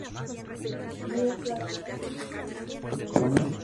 Ella marcha cantando "Paso a Lola, que ya Sevilla se queda sola".